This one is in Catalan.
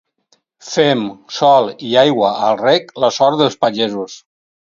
Fem, sol i aigua al rec, la sort dels pagesos.